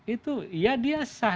itu ya dia sah